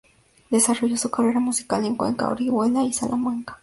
Desarrolló su carrera musical en Cuenca, Orihuela y Salamanca.